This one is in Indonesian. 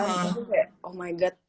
itu kayak oh my god